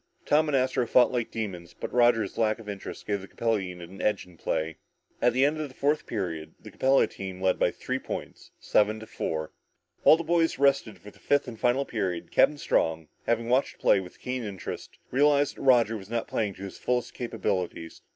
Tom and Astro fought like demons but Roger's lack of interest gave the Capella unit the edge in play. At the end of the fourth period, the Capella team led by three points, seven to four. While the boys rested before the fifth and final period, Captain Strong, having watched the play with keen interest, realized that Roger was not playing up to his fullest capabilities.